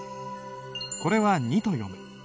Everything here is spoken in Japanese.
これは「ニ」と読む。